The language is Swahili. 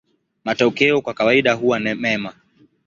Matokeo kwa kawaida huwa mema.